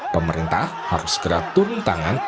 pemerintah harus segera turun tangan